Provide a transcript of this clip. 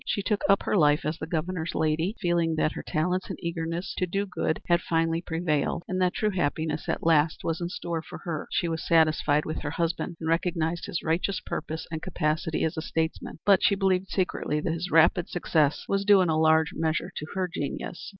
She took up her life as the Governor's lady feeling that her talents and eagerness to do good had finally prevailed and that true happiness at last was in store for her. She was satisfied with her husband and recognized his righteous purpose and capacity as a statesman, but she believed secretly that his rapid success was due in a large measure to her genius.